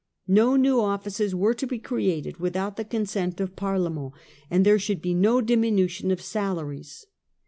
No new offices were to be created without the consent of Parliament, and there should be no dimipution of salaries.